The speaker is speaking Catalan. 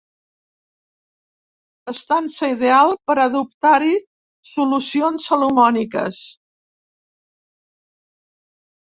Estança ideal per adoptar-hi solucions salomòniques.